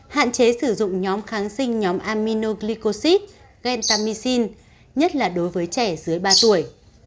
hạn chế sử dụng nhóm kháng sinh nhóm aminoglycosid gentamicin nhất là đối với trẻ dưới ba tuổi